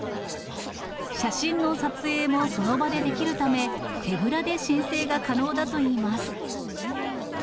写真の撮影もその場でできるため、手ぶらで申請が可能だといいます。